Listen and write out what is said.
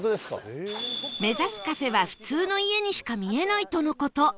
目指すカフェは普通の家にしか見えないとの事